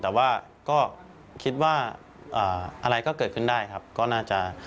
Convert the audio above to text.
แต่ว่าก็คิดว่าอะไรก็เกิดขึ้นได้ครับก็น่าจะ